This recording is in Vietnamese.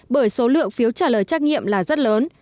bởi số lượng phiếu trả lời trách nhiệm là rất lớn